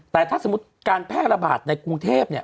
แต่ถ้าสมมุติการแพร่ระบาดในกรุงเทพเนี่ย